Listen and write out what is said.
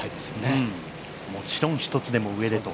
もちろん一つでも上へと。